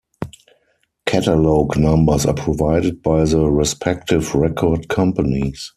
Catalogue numbers are provided by the respective record companies.